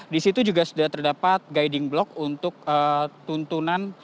di situ juga sudah terdapat guiding block untuk tuntunan